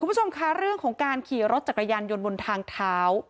คุณผู้ชมคะเรื่องของการขี่รถจักรยานยนต์บนทางเท้า